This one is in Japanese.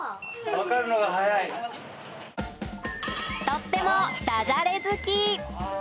とってもダジャレ好き。